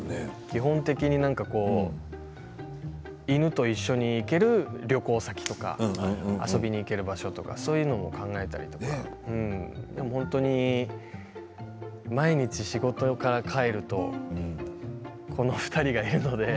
基本的に犬と一緒に行ける旅行先とか遊びに行ける場所とかそういうのを考えたりとかでも本当に毎日仕事から帰るとこの２人がいるので。